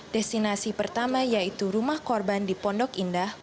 destinasi pertama yaitu rumah korban di pondok indah